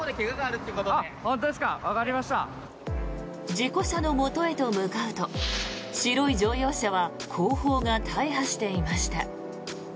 事故車のもとへ向かうと白い乗用車は後方が大破していました。